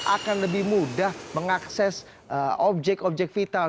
akan lebih mudah mengakses objek objek vital